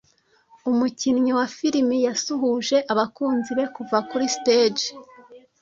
Umukinnyi wa filime yasuhuje abakunzi be kuva kuri stage.